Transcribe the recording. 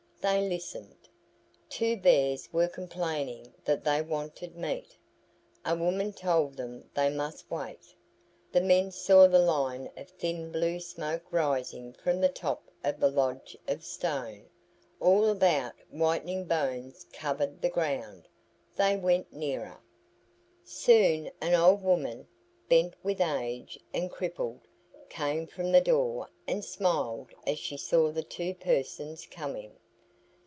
They listened. Two bears were complaining that they wanted meat. A woman told them they must wait. The men saw the line of thin blue smoke rising from the top of the lodge of stone. All about whitening bones covered the ground. They went nearer. Soon an old woman, bent with age and crippled, came from the door and smiled as she saw the two persons coming.